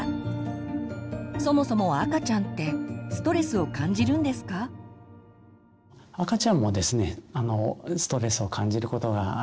そもそも赤ちゃんってストレスを感じるんですか？